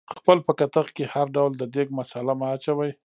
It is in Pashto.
خپل په کتغ کې هر ډول د دیګ مثاله مه اچوئ